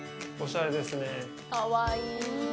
おしゃれですね。